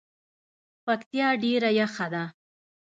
پکتیا ډیره یخه ده